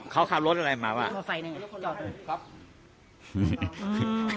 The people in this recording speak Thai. เขาเข้ารถอะไรมาว่ะเขาใส่อะไรจอดด้วย